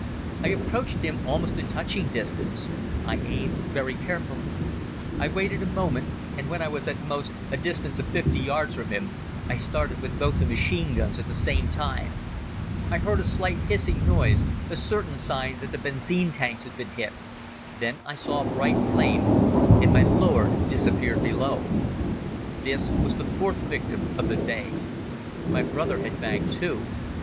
I approached him almost to touching distance. I aimed very carefully. I waited a moment and when I was at most at a distance of fifty yards from him I started with both the machine guns at the same time. I heard a slight hissing noise, a certain sign that the benzine tanks had been hit. Then I saw a bright flame and my lord disappeared below. This was the fourth victim of the day. My brother had bagged two.